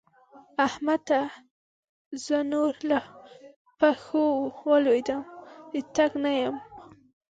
احمده! زه نور له پښو ولوېدم - د تګ نه یم.